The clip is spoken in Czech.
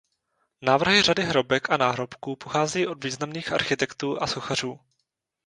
Návrhy řady hrobek a náhrobků pocházejí od významných architektů a sochařů.